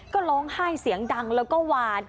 ก็ร้องไห้เสียงดังแล้วก็หวาน